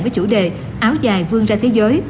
với chủ đề áo dài vương ra thế giới